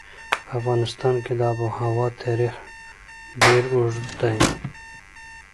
په افغانستان کې د آب وهوا تاریخ ډېر اوږد دی.